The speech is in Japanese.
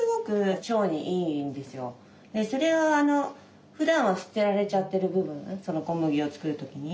それはふだんは捨てられちゃってる部分小麦を作る時に。